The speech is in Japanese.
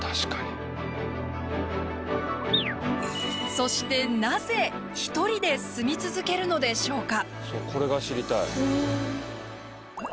そしてなぜ１人で住み続けるのでしょうか？